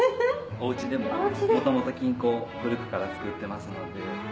おうちでも元々きんこ古くから作ってますので。